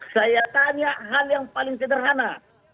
saya tanya hal yang paling sederhana